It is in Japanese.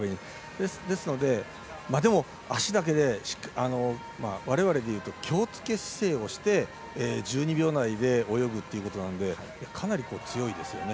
ですので、足だけでわれわれでいうと気をつけ姿勢をして１２秒台で泳ぐということなのでかなり強いですよね。